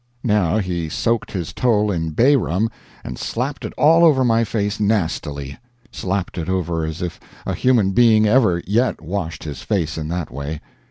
Now he soaked his towel in bay rum, and slapped it all over my face nastily; slapped it over as if a human being ever yet washed his face in that way.